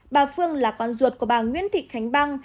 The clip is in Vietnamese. bà phương là con ruột của bà nguyễn thị khánh băng